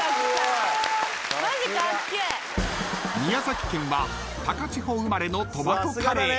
［宮崎県は高千穂生まれのトマトカレー］